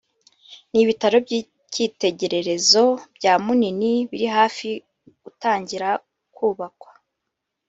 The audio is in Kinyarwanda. n’ibitaro by’icyitegererezo bya Munini biri hafi gutangira kubakwa